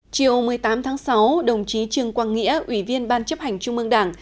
chiều một mươi tám tháng sáu đồng chí trương quang nghĩa ủy viên ban chấp hành trung mương đảng